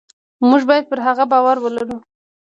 موږ باید پر هغه باور ولرو.